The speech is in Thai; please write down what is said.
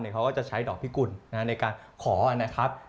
เขาก็จะใช้ดอกพิกุลในการขอนะครับ